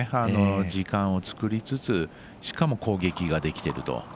時間を作りつつしかも攻撃ができてると。